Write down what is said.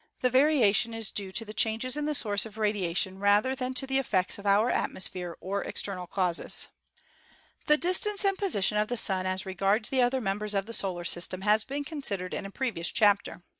The variation is due to the changes in the source of radiation rather than to the effects of our atmosphere or external causes. The distance and position of the Sun as regards the other members of the Solar System has been considered in a previous chapter.